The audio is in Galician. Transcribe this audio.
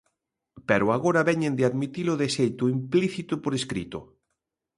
Pero agora veñen de admitilo de xeito implícito por escrito.